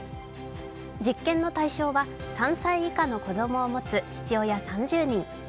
実験の対象は、３歳以下の子供を持つ父親３０人。